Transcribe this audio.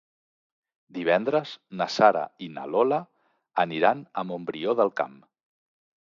Divendres na Sara i na Lola van a Montbrió del Camp.